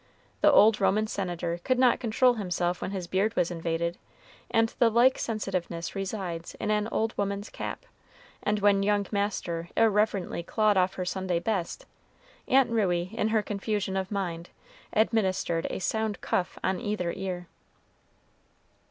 The old Roman senator could not control himself when his beard was invaded, and the like sensitiveness resides in an old woman's cap; and when young master irreverently clawed off her Sunday best, Aunt Ruey, in her confusion of mind, administered a sound cuff on either ear.